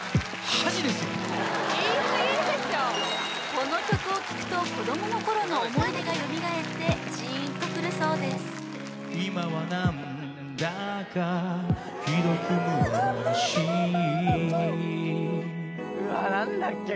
この曲を聴くと子どもの頃の思い出がよみがえってジーンとくるそうです・えっ待ってこの歌何だっけ？